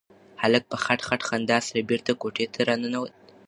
هلک په خټ خټ خندا سره بېرته کوټې ته راننوت.